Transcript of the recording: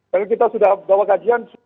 jadi kita sudah bawa kajian